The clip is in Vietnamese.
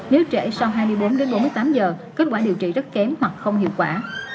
nếu trẻ sau hai mươi bốn đến bốn mươi tám giờ kết quả điều trị rất kém hoặc không hiệu quả